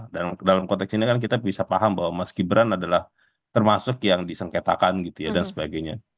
dan dalam konteks ini kan kita bisa paham bahwa mas gibran adalah termasuk yang disengketakan gitu ya dan sebagainya